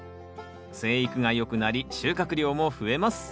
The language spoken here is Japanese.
生育がよくなり収穫量も増えます